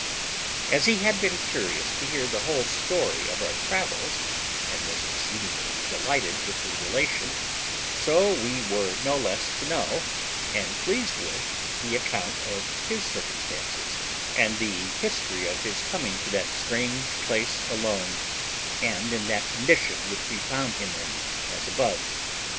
As he had been curious to hear the whole story of our travels, and was exceedingly delighted with the relation, so we were no less to know, and pleased with, the account of his circumstances, and the history of his coming to that strange place alone, and in that condition which we found him in, as above.